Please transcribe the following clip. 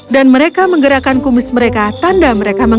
dan mereka menggerakkan kumis mereka tanda meredakan